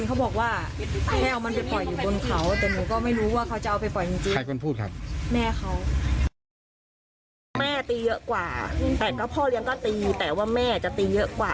แต่ว่าแม่อาจจะตีเยอะกว่า